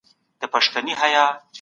دا موضوع ډېره ژوره ده.